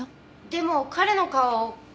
でも彼の顔